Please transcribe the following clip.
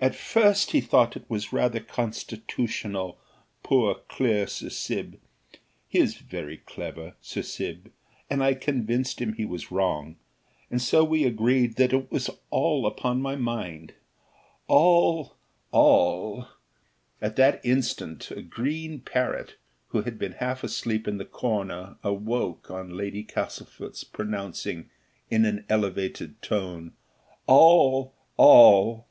At first he thought it was rather constitutional; poor dear Sir Sib! he is very clever, Sir Sib; and I convinced him he was wrong; and so we agreed that it was all upon my mind all; all " At that instant a green parrot, who had been half asleep in the corner, awoke on Lady Castlefort's pronouncing, in an elevated tone, "All, all!"